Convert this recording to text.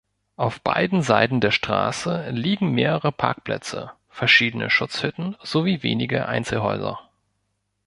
Auf beiden Seiten der Straße liegen mehrere Parkplätze, verschiedene Schutzhütten sowie wenige Einzelhäuser.